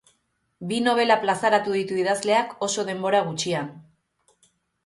Bi nobela plazaratu ditu idazleak oso denbora gutxian.